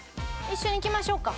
一緒に行きましょうか？